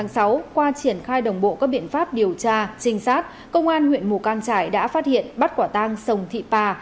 sau triển khai đồng bộ các biện pháp điều tra trinh sát công an huyện mù cang trải đã phát hiện bắt quả tang sổng thị bà